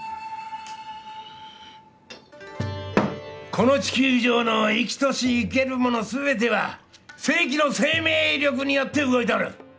この地球上の生きとし生けるもの全ては聖気の生命力によって動いとる。